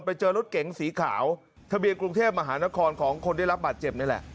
ไปเจอรถเก๋งสีขาวทะเบียนกรุงเทพมหานครของคนได้รับบาดเจ็บนี่แหละ